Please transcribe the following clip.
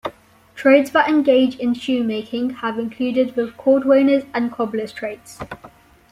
Trades that engage in shoemaking have included the cordwainer's and cobbler's trades.